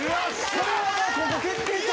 これはもうここ決定か？